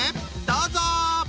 どうぞ！